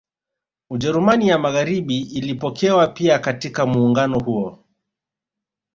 Ujerumani ya Magaharibi ilipokewa pia katika muungano huo